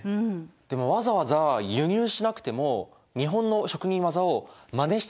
でもわざわざ輸入しなくても日本の職人技をまねしちゃえばよくないですか？